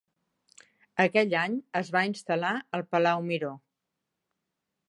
Aquell any es va instal·lar al Palau Miró.